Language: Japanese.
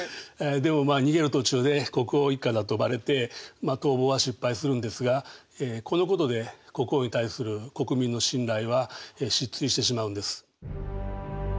でも逃げる途中で国王一家だとバレて逃亡は失敗するんですがこのことで国王に対する国民の信頼は失墜してしまうんです。